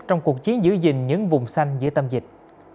trong cuộc chiến giữ gìn những vùng xanh giữa tâm dịch